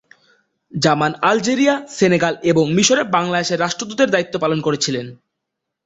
জামান Algeria, Senegal এবং মিশরে বাংলাদেশের রাষ্ট্রদূতের দায়িত্ব পালন করেছিলেন।